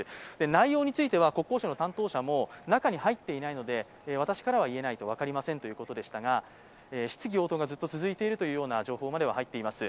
内容については国交省の担当者も中に入っていないので私からは言えない、分かりませんということでしたが質疑応答がずっと続いているという情報までは入っています。